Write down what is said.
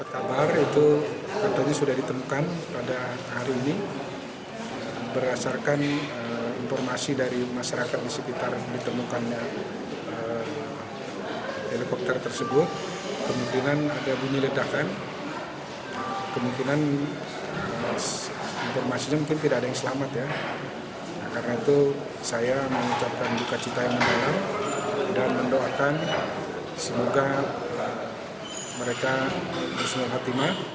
karena itu saya mengucapkan buka cita yang mendalam dan mendoakan semoga mereka bersemangat